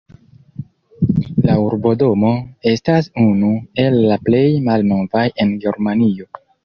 La urbodomo estas unu el la plej malnovaj en Germanio.